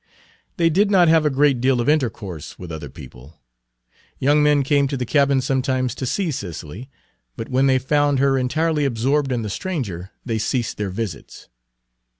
They did not have a great deal of intercourse with other people. Young men came to the cabin sometimes to see Cicely, but when they found her entirely absorbed in the stranger they ceased their visits.